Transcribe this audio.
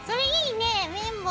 ね！